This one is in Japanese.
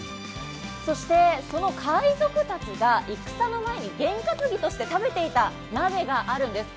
そして、その海賊たちが戦の前に験担ぎとして食べていた鍋があるんです。